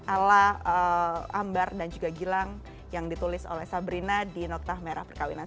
ala ambar dan juga gilang yang ditulis oleh sabrina di noktah merah perkawinan